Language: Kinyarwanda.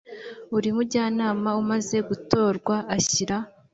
buri mujyanama umaze gutorwa ashyira